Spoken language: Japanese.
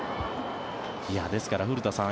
ですから、古田さん